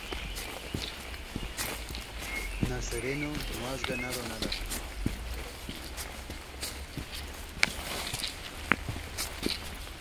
Sus últimas palabras son ""Nazareno, no has ganado nada..."".